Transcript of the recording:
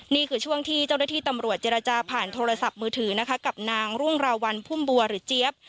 นี่คือช่วงที่เจ้าหน้าที่ตำรวจเจรจาผ่านโทรศัพท์มือถือนะคะกับนางรุ่งราวัลพุ่มบัวหรือเจี๊ยบ